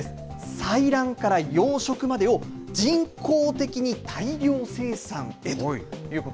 採卵から養殖までを人工的に大量生産へということ。